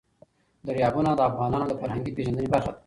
دریابونه د افغانانو د فرهنګي پیژندنې برخه ده.